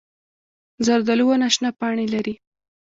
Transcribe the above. زردالو ونه شنه پاڼې لري.